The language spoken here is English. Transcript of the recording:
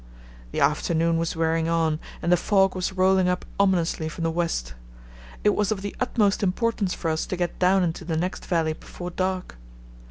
The afternoon was wearing on and the fog was rolling up ominously from the west. It was of the utmost importance for us to get down into the next valley before dark.